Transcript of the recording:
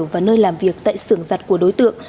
và nơi làm việc tại xưởng giặt của đối tượng